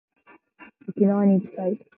沖縄に行きたい